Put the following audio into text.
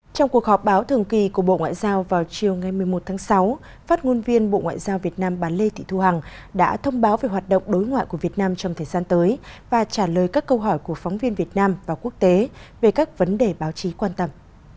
trong cuộc họp báo thường kỳ của bộ ngoại giao vào chiều ngày một mươi một tháng sáu phát ngôn viên bộ ngoại giao việt nam bán lê thị thu hằng đã thông báo về hoạt động đối ngoại của việt nam trong thời gian tới và trả lời các câu hỏi của phóng viên việt nam và quốc tế về các vấn đề báo chí quan tâm